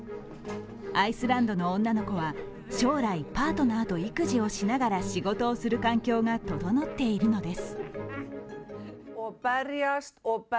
アイスランドの女の子は将来、パートナーと育児をしながら仕事をする環境が整っているのです。